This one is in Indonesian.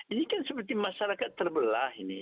ini kan seperti masyarakat terbelah ini